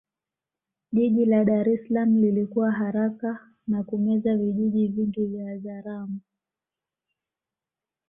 Jiji la Dar es Salaam lilikua haraka na kumeza vijiji vingi vya Wazaramo